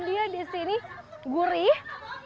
dia di sini gurih